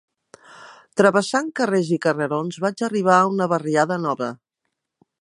Travessant carrers i carrerons, vaig arribar a una barriada nova